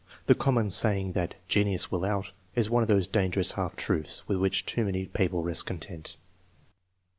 The common saying that " genius will out " is one of those dangerous half truths with which too many people rest content.